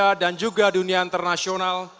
indonesia dan juga dunia internasional